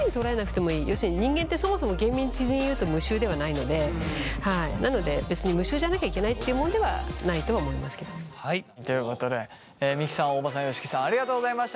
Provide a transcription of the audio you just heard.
要するに人間ってそもそも厳密に言うと無臭ではないのでなので別に無臭じゃなきゃいけないっていうものではないとは思いますけれども。ということで三木さん大場さん吉木さんありがとうございました。